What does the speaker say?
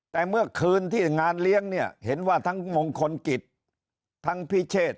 แต่เมื่อคืนที่งานเลี้ยงเนี่ยเห็นว่าทั้งมงคลกิจทั้งพิเชษ